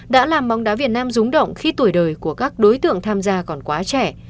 đã làm bóng đá việt nam rúng động khi tuổi đời của các đối tượng tham gia còn quá trẻ